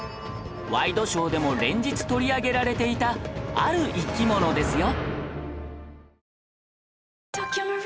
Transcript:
ワイドショーでも連日取り上げられていたある生き物ですよ